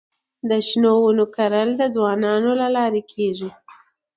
د شنو ونو کرل د ځوانانو له لارې کيږي.